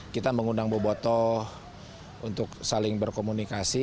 kita mengundang boboto untuk saling berkomunikasi